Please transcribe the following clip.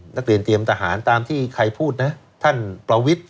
นักเรียนเตรียมทหารตามที่ใครพูดนะท่านประวิทธิ